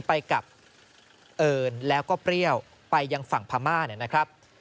ไปกับเอิญแล้วก็เปรี้ยวไปยังฝั่งพม่า